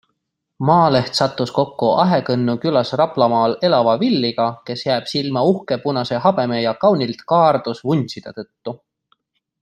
Maaleht sattus kokku Ahekõnnu külas Raplamaal elava Villyga, kes jääb silma uhke punase habeme ja kaunilt kaardus vuntside tõttu.